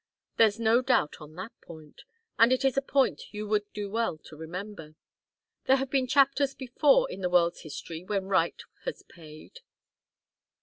There's no doubt on that point and it is a point you would do well to remember. There have been chapters before in the world's history when right has paid."